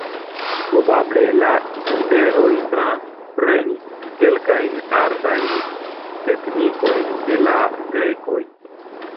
Probable la iberoj transprenis kelkajn artajn teknikojn de la grekoj.